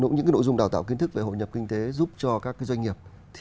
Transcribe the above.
những nội dung đào tạo kiến thức về hội nhập kinh tế giúp cho các doanh nghiệp